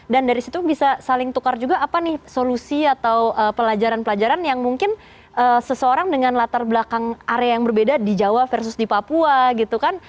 dan dari situ bisa saling tukar juga apa nih solusi atau pelajaran pelajaran yang mungkin seseorang dengan latar belakang area yang berbeda di jawa versus di papua gitu kan